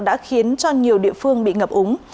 đã khiến cho nhiều địa phương bị ngập úng